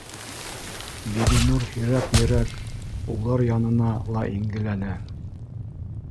Бибинур һирәк мирәк улар янына ла ингеләне